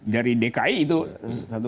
dari dki itu satu fakta tuh